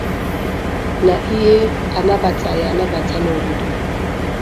na ihe a nabataghị anabata n'obodo